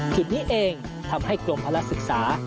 คลิปนี้เองทำให้กรมภรรยาศึกษา